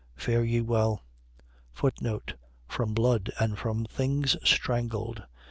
Fare ye well. From blood, and from things strangled.